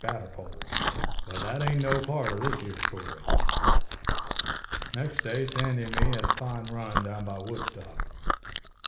Batterpole! But thet ain't no part o' this here story! "Nex' day Sandy an' me hed a fine run down by Woodstock.